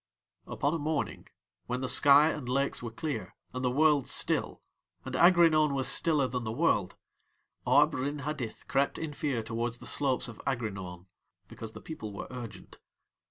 Upon a morning when the sky and lakes were clear and the world still, and Aghrinaun was stiller than the world, Arb Rin Hadith crept in fear towards the slopes of Aghrinaun because the people were urgent.